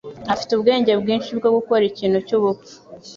afite ubwenge bwinshi bwo gukora ikintu cyubupfu.